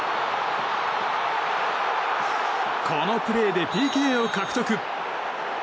このプレーでＰＫを獲得。